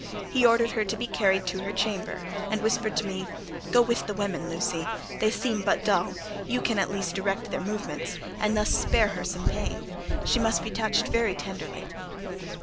He ordered her to be carried to her chamber, and whispered to me:—"Go with the women, Lucy; they seem but dull; you can at least direct their movements, and thus spare her some pain. She must be touched very tenderly."